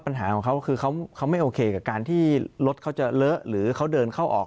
ปัญหาของเขาคือเขาไม่โอเคกับการที่รถเขาจะเลอะหรือเขาเดินเข้าออก